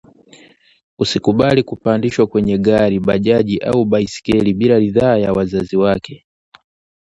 asikubali kupandishwa kwenye gari, bajaji au baiskeli bila ridhaa ya wazazi wake